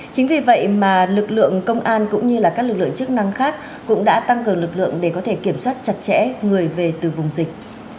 chính vì vậy mà lực lượng công an cũng như các lực lượng chức năng khác cũng đã tăng cường lực lượng để có thể kiểm soát chặt chẽ người về từ vùng dịch